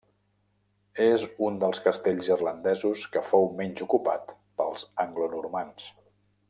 És un dels castells irlandesos que fou menys ocupat pels anglonormands.